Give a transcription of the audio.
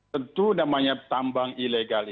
tentu namanya tambang ilegal